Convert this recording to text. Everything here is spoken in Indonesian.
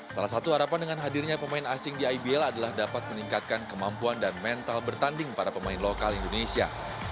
salah satu harapan dengan hadirnya pemain asing di ibl adalah dapat meningkatkan kemampuan dan mental bertanding para pemain lokal indonesia